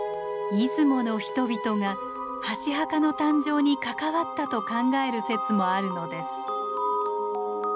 出雲の人々が箸墓の誕生に関わったと考える説もあるのです。